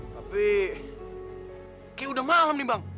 tapi kayak udah malam nih bang